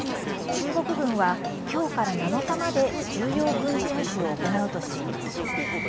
中国軍は今日から７日まで重要軍事演習を行うとしています。